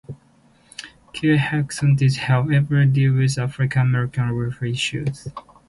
Kelley-Hawkins did, however, deal with African-American reform issues.